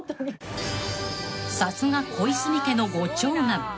［さすが小泉家のご長男］